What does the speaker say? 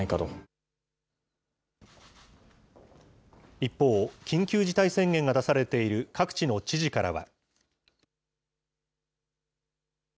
一方、緊急事態宣言が出されている各地の知事からは。